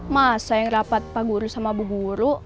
masa yang rapat pak guru sama bu guru